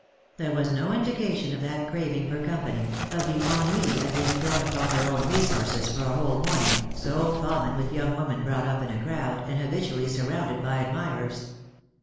There was no indication of that craving for company, of the ennui at being thrown upon her own resources for a whole morning, so common with young women brought up in a crowd, and habitually surrounded by admirers.